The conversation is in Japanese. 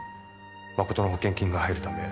誠の保険金が入るため